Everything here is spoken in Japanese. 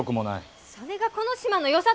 それがこの島のよさ。